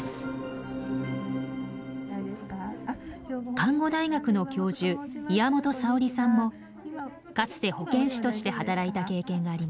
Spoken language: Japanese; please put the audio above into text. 看護大学の教授岩本里織さんもかつて保健師として働いた経験があります。